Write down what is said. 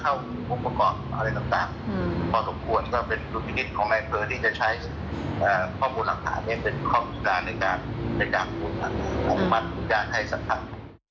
ก็ดูแล้วก็น่าจะเข้าพวกประกอบอะไรต่างพอสมควรก็เป็นลูกลิ้นของแม่เพิร์นที่จะใช้ข้อมูลหลังคาเนี่ยเป็นข้อมูลการในการธุมัติทุกอย่างให้สรรพันธ์